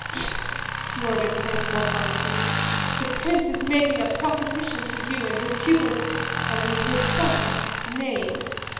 "Fr... fr..." snorted Prince Bolkónski. "The prince is making a proposition to you in his pupil's—I mean, his son's—name.